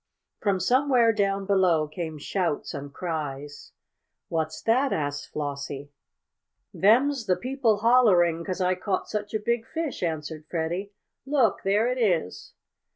From somewhere down below came shouts and cries. "What's that?" asked Flossie. "Them's the people hollering 'cause I caught such a big fish," answered Freddie. "Look, there it is!"